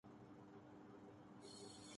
اور یہ کوئی معمولی بات نہیں۔